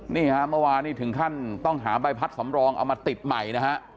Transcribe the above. นี่ฮะเมื่อวานนี้ถึงขั้นต้องหาใบพัดสำรองเอามาติดใหม่นะฮะ